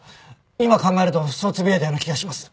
今考えるとそう呟いたような気がします。